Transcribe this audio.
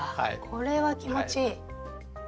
これは気持ちいい。